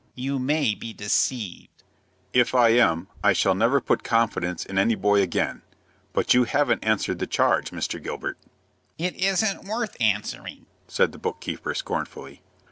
"You may be deceived." "If I am, I shall never put confidence in any boy again. But you haven't answered the charge, Mr. Gilbert." "It isn't worth answering," said the book keeper, scornfully.